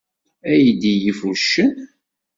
Aydi yif uccen?